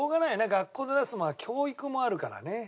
学校で出すものは教育もあるからね。